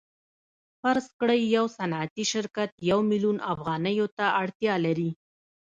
فرض کړئ یو صنعتي شرکت یو میلیون افغانیو ته اړتیا لري